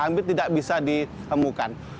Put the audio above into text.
anggapnya tidak bisa dihemukan